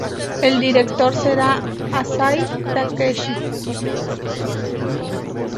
El director será Asai Takeshi.